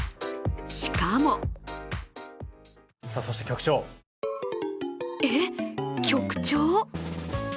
しかもえっ、局長？